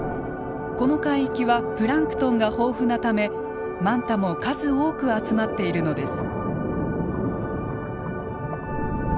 この海域はプランクトンが豊富なためマンタも数多く集まっているのです。